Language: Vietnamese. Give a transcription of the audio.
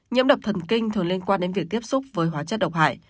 nhiễm độc thần kinh thường liên quan đến việc tiếp xúc với hóa chất độc hại